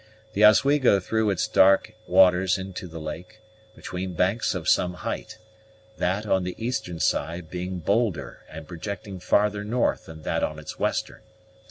The Oswego threw its dark waters into the lake, between banks of some height; that on its eastern side being bolder and projecting farther north than that on its western.